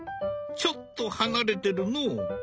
ちょっと離れてるのう。